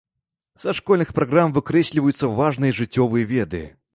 Са школьных праграм выкрэсліваюцца важныя жыццёвыя веды.